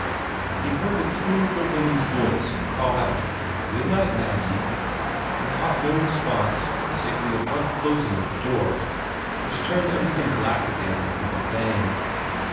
He heard a tuneful woman's voice call out "Good night, Maggie," and caught no response save the abrupt closing of the door, which turned everything black again with a bang.